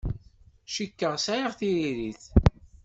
Cikkeɣ sɛiɣ tiririt.